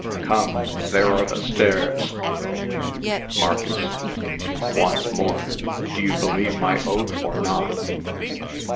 Come, there are the stairs." MARCUS. "Once more. Do you believe my oath, or not?"